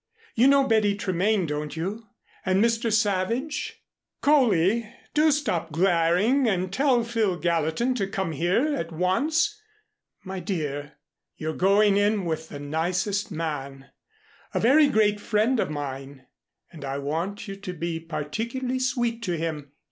You know Betty Tremaine, don't you? And Mr. Savage? Coley do stop glaring and tell Phil Gallatin to come here at once. My dear, you're going in with the nicest man a very great friend of mine, and I want you to be particularly sweet to him.